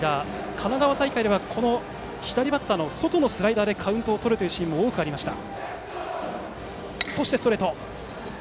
神奈川大会では、左バッターへの外のスライダーでカウントをとるシーンも多くありました。